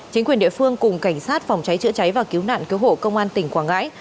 chính quyền địa phương cùng cảnh sát phòng cháy chữa cháy và cứu nạn cứu hộ công an tỉnh quảng ngãi